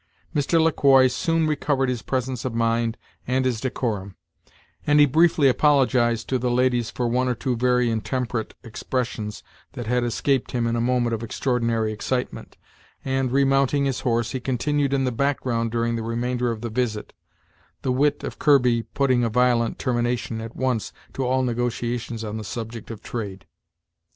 Mr. Le Quoi soon recovered his presence of mind and his decorum; and he briefly apologized to the ladies for one or two very intemperate expressions that had escaped him in a moment of extraordinary excitement, and, remounting his horse, he continued in the background during the remainder of the visit, the wit of Kirby putting a violent termination, at once, to all negotiations on the subject of trade.